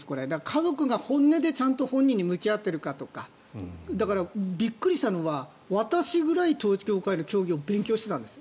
家族が本音でちゃんと本人に向き合っているかとかだから、びっくりしたのは私ぐらい統一教会の教義を勉強していたんです。